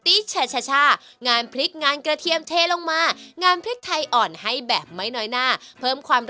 ทุกอย่างเลยไม่มีการปรับกดลงมาให้เบาไม่มีเต็มที่